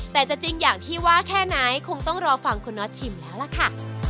แต่จะจริงอย่างที่ว่าแค่ไหนคงต้องรอฟังคุณน็อตชิมแล้วล่ะค่ะ